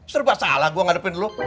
serba salah gue ngadepin lo